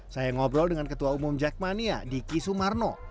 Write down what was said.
saya ngobrol dengan ketua umum jackmania diki sumarno